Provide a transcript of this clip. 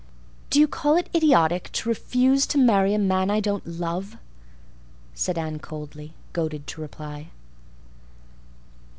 "Do you call it idiotic to refuse to marry a man I don't love?" said Anne coldly, goaded to reply.